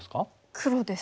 黒ですね。